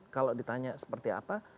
kalau ditanya seperti apa